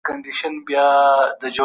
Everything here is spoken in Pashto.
تاسي ولي د پښتو په املا کي تېروتنې وکړې؟